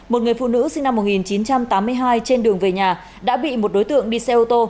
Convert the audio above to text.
một người phụ nữ sinh năm một nghìn chín trăm tám mươi hai trên đường về nhà đã bị một đối tượng đi xe ô tô